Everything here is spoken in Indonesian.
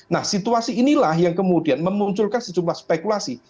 nah situasi inilah yang kemudian memunculkan sejumlah spekulasi